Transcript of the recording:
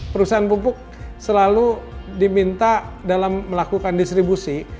perusahaan pupuk selalu diminta dalam melakukan distribusi